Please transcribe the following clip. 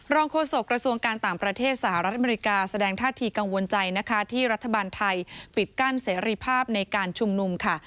โฆษกระทรวงการต่างประเทศสหรัฐอเมริกาแสดงท่าทีกังวลใจนะคะที่รัฐบาลไทยปิดกั้นเสรีภาพในการชุมนุมค่ะ